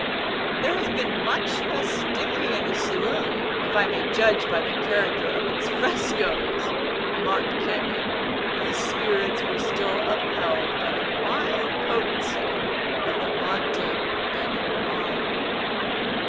"There has been much festivity in this saloon, if I may judge by the character of its frescos," remarked Kenyon, whose spirits were still upheld by the mild potency of the Monte Beni wine.